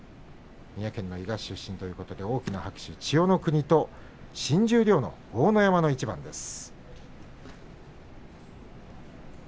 三重県の伊賀市出身ということで大きな拍手、千代の国と新十両の豪ノ山の一番です。